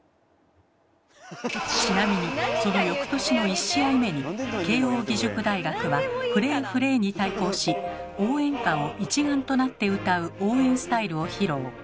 ちなみにその翌年の１試合目に慶應義塾大学は「フレーフレー」に対抗し応援歌を一丸となって歌う応援スタイルを披露。